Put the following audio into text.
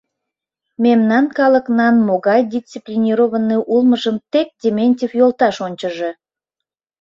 Мемнан калыкнан могай дисциплинированный улмыжым тек Дементьев йолташ ончыжо.